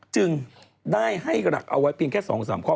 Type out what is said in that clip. จึงได้ให้เวลาแค่๒๓ข้อ